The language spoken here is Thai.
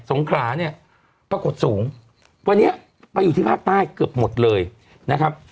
งขราเนี่ยปรากฏสูงวันนี้ไปอยู่ที่ภาคใต้เกือบหมดเลยนะครับ